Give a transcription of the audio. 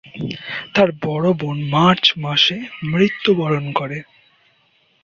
তার বড় বোন মার্চ মাসে মৃত্যুবরণ করে।